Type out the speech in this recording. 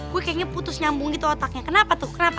gue kayaknya putus nyambung gitu otaknya kenapa tuh kenapa